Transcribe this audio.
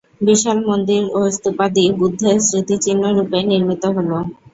বিশাল মন্দির ও স্তূপাদি বুদ্ধের স্মৃতিচিহ্ন-রূপে নির্মিত হল।